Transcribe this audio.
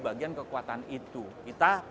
bagian kekuatan itu kita